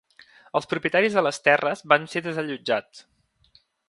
Els propietaris de les terres van ser desallotjats.